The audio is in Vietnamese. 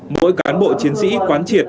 mỗi cán bộ chiến sĩ quán triệt